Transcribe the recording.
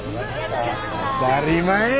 当たり前や！